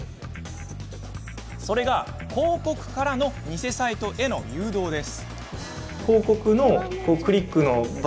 それが広告からの偽サイトへの誘導です。